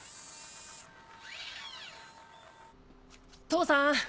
父さん